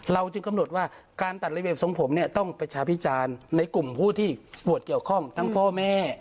จึงกำหนดว่าการตัดระเบียบทรงผมเนี่ยต้องประชาพิจารณ์ในกลุ่มผู้ที่ปวดเกี่ยวข้องทั้งพ่อแม่